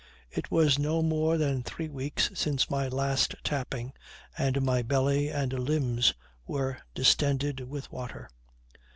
It was no more than three weeks since my last tapping, and my belly and limbs were distended with water.